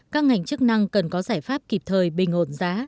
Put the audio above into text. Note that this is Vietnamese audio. các ngành chức năng cần có giải pháp kịp thời bình ổn giá